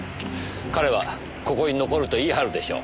彼はここに残ると言い張るでしょう。